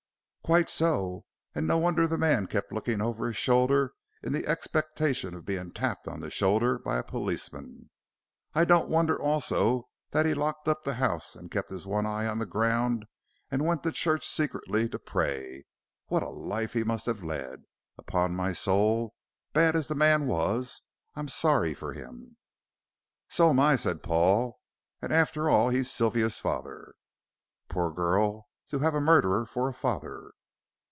"Quite so. And no wonder the man kept looking over his shoulder in the expectation of being tapped on the shoulder by a policeman. I don't wonder also that he locked up the house and kept his one eye on the ground, and went to church secretly to pray. What a life he must have led. Upon my soul, bad as the man was, I'm sorry for him." "So am I," said Paul. "And after all, he is Sylvia's father." "Poor girl, to have a murderer for a father!"